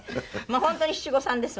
本当に七五三ですわね。